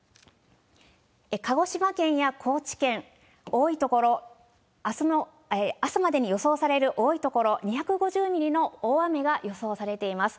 鹿児島県や高知県、多い所、あすの朝までに予想される、多い所、２５０ミリの大雨が予想されています。